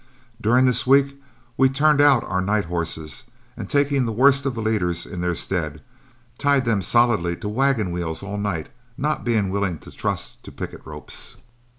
During this week we turned out our night horses, and taking the worst of the leaders in their stead, tied them solidly to the wagon wheels all night, not being willing to trust to picket ropes.